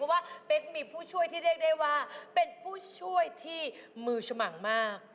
เพราะว่าเป๊กมีผู้ช่วยที่เรียกได้ว่าเป็นผู้ช่วยที่มือฉมังมาก